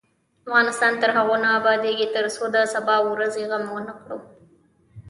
افغانستان تر هغو نه ابادیږي، ترڅو د سبا ورځې غم ونکړو.